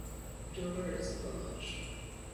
Duler is a village.